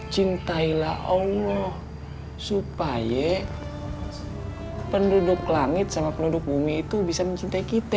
cintailah allah supaya penduduk langit sama penduduk bumi itu bisa mencintai kita